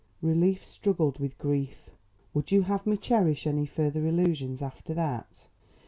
Relief struggled with grief. Would you have me cherish any further illusions after that?"